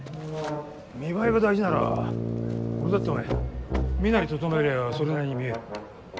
見栄えが大事なら俺だって身なり整えりゃそれなりに見える。